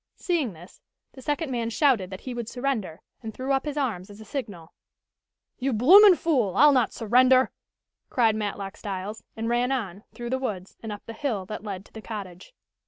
Seeing this the second man shouted that he would surrender, and threw up his arms as a signal. "You bloomin' fool! I'll not surrender!" cried Matlock Styles, and ran on, through the woods, and up the hill that led to the cottage.